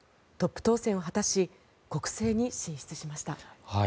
トップ当選を果たし国政に進出しました。